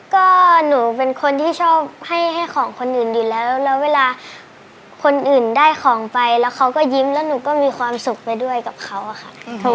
ก็หนูเป็นคนที่ชอบให้ของคนอื่นอยู่แล้วแล้วเวลาคนอื่นได้ของไปแล้วเขาก็ยิ้มแล้วหนูก็มีความสุขไปด้วยกับเขาอะค่ะ